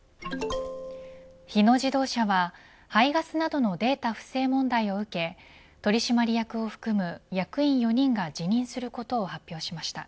日野自動車は、排ガスなどのデータ不正問題を受け取締役を含む役員４人が辞任することを発表しました。